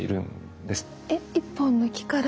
えっ一本の木から。